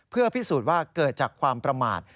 เพื่อพิสูจน์ว่าเกิดจากความประมาท